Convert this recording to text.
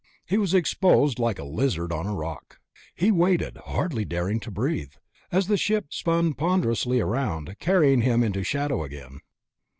He was exposed like a lizard on a rock. He waited, hardly daring to breathe, as the ship spun ponderously around, carrying him into shadow again.